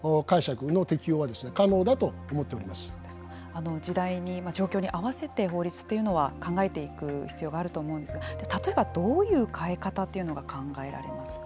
あの時代に状況に合わせて法律というのは考えていく必要があると思うんですが例えばどういう変え方っていうのが考えられますか？